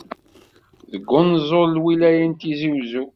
Deg unẓul n lwilaya n Tizi Uzzu.